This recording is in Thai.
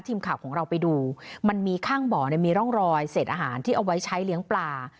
ทีมข่าวของเราไปดูมันมีข้างบ่อเนี่ยมีร่องรอยเศษอาหารที่เอาไว้ใช้เลี้ยงปลา